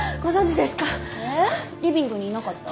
えっリビングにいなかった？